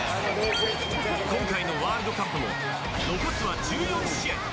今回のワールドカップも残すは１４試合。